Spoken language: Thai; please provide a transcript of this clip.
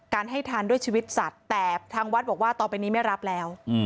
ให้ทานด้วยชีวิตสัตว์แต่ทางวัดบอกว่าต่อไปนี้ไม่รับแล้ว